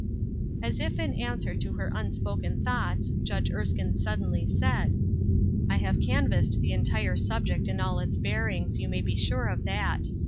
As if to answer her unspoken thoughts, Judge Erskine suddenly said: "I have canvassed the entire subject in all its bearings, you may be sure of that.